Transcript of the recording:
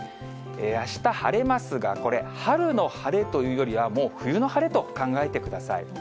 あした晴れますが、これ、春の晴れというよりは、もう冬の晴れと考えてください。